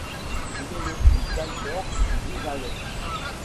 Il est le fils d'Albert Duvaleix.